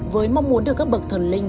với mong muốn được các bậc thần linh